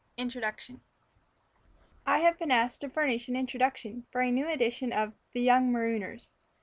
INTRODUCTION I have been asked to furnish an introduction for a new edition of "The Young Marooners."